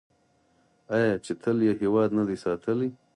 آیا چې تل یې هیواد نه دی ساتلی؟